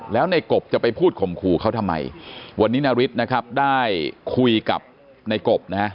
แล้วในกบจะไปพูดข่มขู่เขาทำไมวันนี้นาริสนะครับได้คุยกับในกบนะฮะ